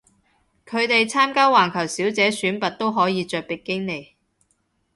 佢哋參加環球小姐選拔都可以着比基尼